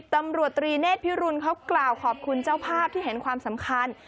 ตำรวจตรีเนธพิรุณเขากล่าวขอบคุณเจ้าภาพที่เห็นความสำคัญ